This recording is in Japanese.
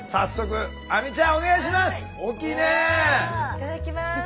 いただきます。